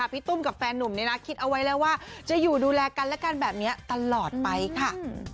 พี่ตุ้มกับแฟนหนุ่มคิดเอาไว้แล้วว่าจะอยู่ดูแลกันและกันแบบนี้ตลอดไปค่ะ